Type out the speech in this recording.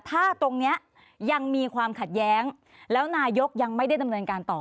ถ้าตรงนี้ยังมีความขัดแย้งแล้วนายกยังไม่ได้ดำเนินการต่อ